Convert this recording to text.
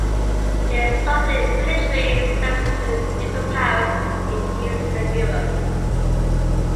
They sold their military services to different powers in Eastern Europe.